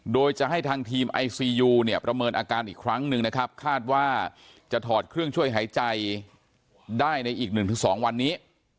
โดยจะให้ทางทีมไอซียูเนี่ยประเมินอาการอีกครั้งหนึ่งนะครับคาดว่าจะถอดเครื่องช่วยหายใจได้ในอีก๑๒วันนี้